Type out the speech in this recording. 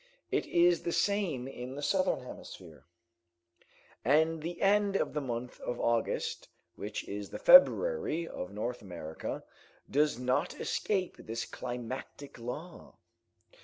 It is the same in the Southern Hemisphere, and the end of the month of August, which is the February of North America, does not escape this climatic law.